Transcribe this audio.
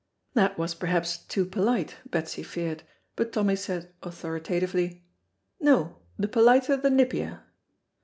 That was perhaps too polite, Betsy feared, but Tommy said authoritatively, "No, the politer the nippier."